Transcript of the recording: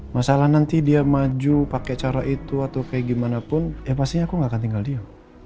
masalah nanti dia maju pakai cara itu atau kayak gimana pun ya pastinya aku nggak akan tinggal dia